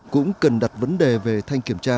cũng cần đặt vấn đề về thanh kiểm tra